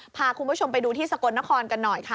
พาคุณผู้ชมไปดูที่สกลนครกันหน่อยค่ะ